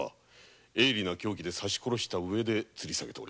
鋭利な凶器で刺し殺した上でつり下げて。